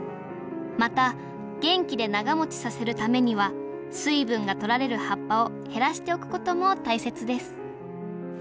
また元気で長もちさせるためには水分が取られる葉っぱを減らしておくことも大切です